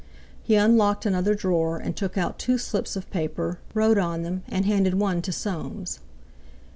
He unlocked another drawer and took out two slips of paper, wrote on them, and handed one to Soames.